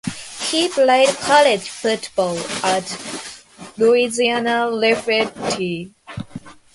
He played college football at Louisiana-Lafayette.